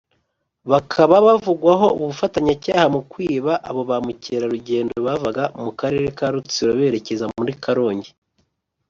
bakaba bavugwaho ubufatanyacyaha mu kwiba abo bamukerarugendo bavaga mu karere ka Rutsiro berekeza muri Karongi